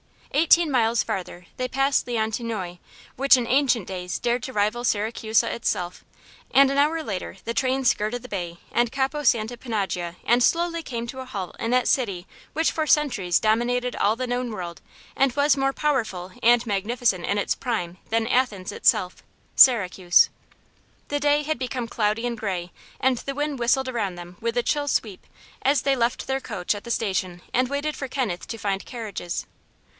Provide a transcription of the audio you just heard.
Eighteen miles farther they passed Leontinoi, which in ancient days dared to rival Siracusa itself, and an hour later the train skirted the bay and Capo Santa Panagia and slowly came to a halt in that city which for centuries dominated all the known world and was more powerful and magnificent in its prime than Athens itself Syracuse. The day had become cloudy and gray and the wind whistled around them with a chill sweep as they left their coach at the station and waited for Kenneth to find carriages.